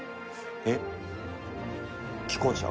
えっ既婚者？